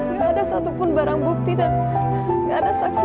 gak ada satupun barang bukti dan gak ada saksi